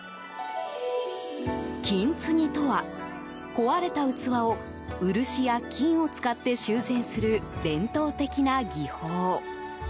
金継ぎとは、壊れた器を漆や金を使って修繕する伝統的な技法。